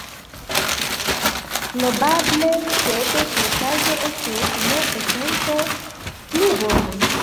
Probable, sed ĉiuokaze estus ne esence pli bone.